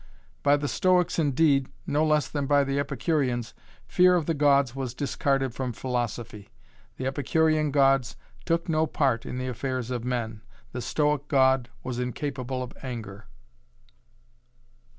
By the Stoics indeed, no less than by the Epicureans, fear of the gods was discarded from philosophy. The Epicurean gods took no part in the affairs of men; the Stoic God was incapable of anger.